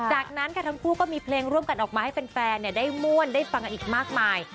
จากนั้นค่ะทั้งคู่ก็มีเพลงร่วมกันออกมาให้แฟนได้ม่วนได้ฟังกันอีกมากมาย